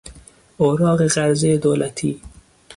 اوراق قرضهی دولتی